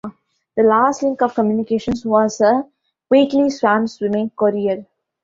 The last link of communications was a weekly swamp swimming courier.